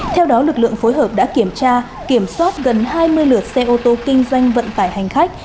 theo đó lực lượng phối hợp đã kiểm tra kiểm soát gần hai mươi lượt xe ô tô kinh doanh vận tải hành khách